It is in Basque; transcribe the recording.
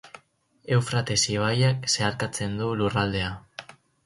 Eufrates ibaiak zeharkatzen du lurraldea.